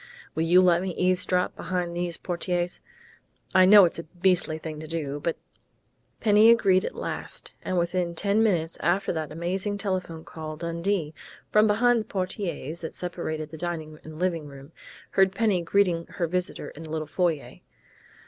Will you let me eavesdrop behind these portieres?... I know it's a beastly thing to do, but " Penny agreed at last, and within ten minutes after that amazing telephone call Dundee, from behind the portieres that separated the dining and living room, heard Penny greeting her visitor in the little foyer.